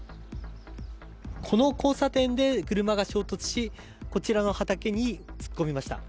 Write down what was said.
この交差点で車が衝突し、こちらの畑に突っ込みました。